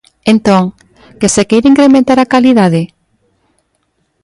Entón, ¿que se queira incrementar a calidade?